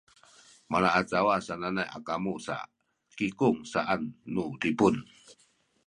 malaacawa sananay a kamu sa “kikung” sananay nu Zipun